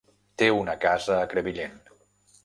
Té una casa a Crevillent.